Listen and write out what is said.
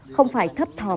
không phải thấp thòm